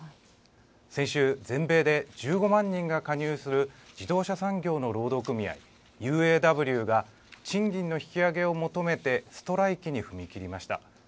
先週、全米で１５万人が加入する自動車産業の労働組合、ＵＡＷが賃金の引き上げを求めてストライキに踏み切りました。